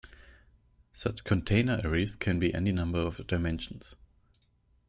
Such "container" arrays can be any number of dimensions.